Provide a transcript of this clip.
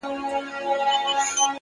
هوډ د وېرې پر وړاندې درېږي،